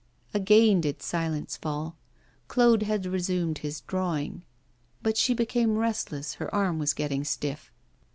Again did silence fall. Claude had resumed his drawing. But she became restless, her arm was getting stiff.